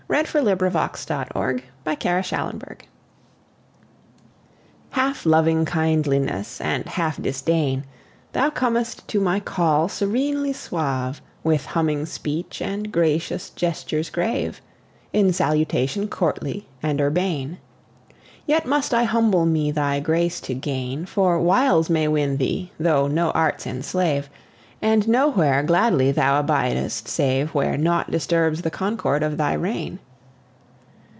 1860 To My Cat HALF loving kindliness and half disdain, Thou comest to my call serenely suave, With humming speech and gracious gestures grave, In salutation courtly and urbane; Yet must I humble me thy grace to gain, For wiles may win thee though no arts enslave, And nowhere gladly thou abidest saveWhere naught disturbs the concord of thy reign.